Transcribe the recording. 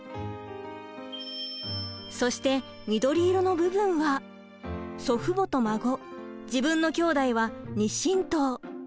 そして緑色の部分は祖父母と孫自分のきょうだいは「２親等」。